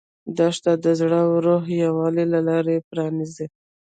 دښته د زړه او روح یووالي ته لاره پرانیزي.